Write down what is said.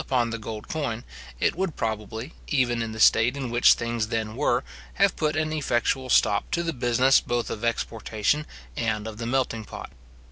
upon the gold coin, it would probably, even in the state in which things then were, have put an effectual stop to the business both of exportation and of the melting pot.